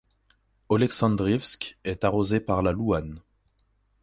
Oleksandrivsk est arrosée par la Louhan.